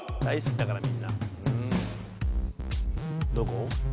「どこ？